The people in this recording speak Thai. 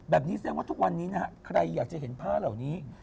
แสดงว่าทุกวันนี้นะฮะใครอยากจะเห็นผ้าเหล่านี้